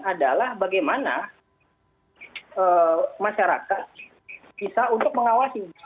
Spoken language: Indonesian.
adalah bagaimana masyarakat bisa untuk mengawasi